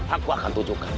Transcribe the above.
aku akan mencari kekuatanmu